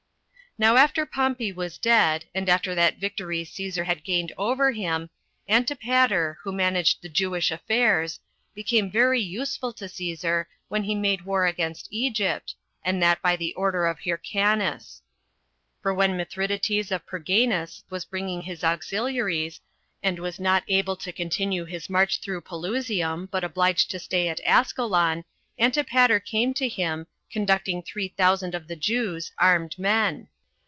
1. Now after Pompey was dead, and after that victory Cæsar had gained over him, Antipater, who managed the Jewish affairs, became very useful to Cæsar when he made war against Egypt, and that by the order of Hyrcanus; for when Mithridates of Pergainus was bringing his auxiliaries, and was not able to continue his march through Pelusium, but obliged to stay at Askelon, Antipater came to him, conducting three thousand of the Jews, armed men.